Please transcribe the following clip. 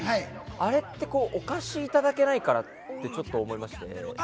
あれってお貸しいいただけないかなって、ちょっと思いまして。